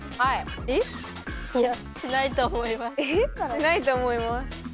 しないと思います。